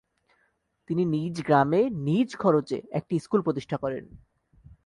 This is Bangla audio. তিনি নিজ গ্রামে নিজ খরচে একটি স্কুুল প্রতিষ্ঠা করেন।